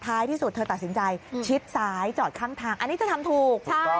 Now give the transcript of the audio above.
ที่สุดเธอตัดสินใจชิดซ้ายจอดข้างทางอันนี้เธอทำถูก